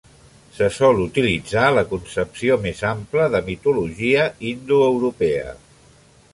Se sol utilitzar la concepció més ampla de mitologia indoeuropea.